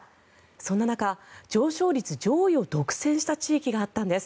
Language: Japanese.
そんな中、上昇率上位を独占した地域があったんです。